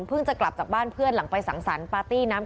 จะกลับจากบ้านเพื่อนหลังไปสังสรรค์ปาร์ตี้น้ำ